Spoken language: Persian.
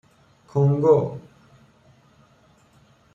کنگو